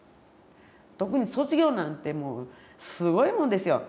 特に卒業なんてもうすごいもんですよ。